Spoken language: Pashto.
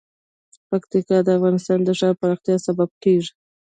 پکتیکا د افغانستان د ښاري پراختیا سبب کېږي.